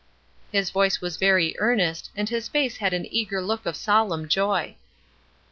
His voice was very earnest, and his face had an eager look of solemn joy.